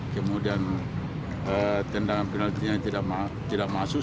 kemudian tendangan penaltinya tidak masuk